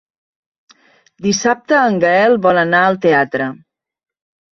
Dissabte en Gaël vol anar al teatre.